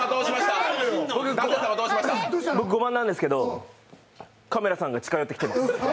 僕、５番なんですけどカメラさんが近寄ってきてます。